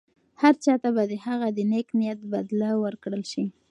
هر چا ته به د هغه د نېک نیت بدله ورکړل شي.